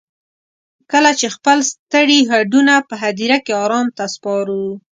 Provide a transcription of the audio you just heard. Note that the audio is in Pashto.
کله چې خپل ستړي هډونه په هديره کې ارام ته سپارو.